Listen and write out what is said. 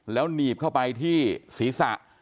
แล้วหนีบเข้าไปที่ศีรษะ